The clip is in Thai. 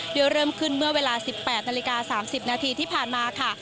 โดยเริ่มขึ้นเมื่อเวลา๑๘นาฬิกา๓๐นาทีที่ผ่านมาค่ะ